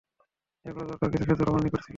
এগুলো সদকার কিছু খেজুর আমার নিকট ছিল।